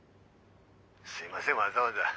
すいませんわざわざ。